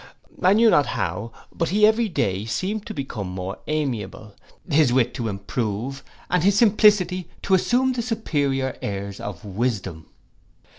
I knew not how, but he every day seemed to become more amiable, his wit to improve, and his simplicity to assume the superior airs of wisdom.